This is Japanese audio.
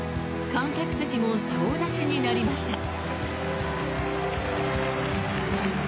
観客席も総立ちになりました。